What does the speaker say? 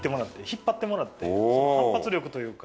引っ張ってもらっても、その反発力というか。